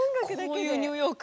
こういうニューヨーク。